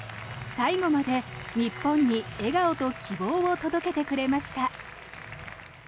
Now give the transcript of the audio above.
最後まで日本に笑顔と希望を届けてくれました。